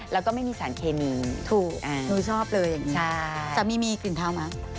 แล้วก็ไม่มีสารเคมีถูกอ่าหนูชอบเลยใช่จำมีมีกลิ่นเท้ามั้ง